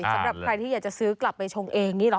สำหรับใครที่อยากจะซื้อกลับไปชงเองนี่เหรอ